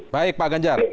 baik pak ganjar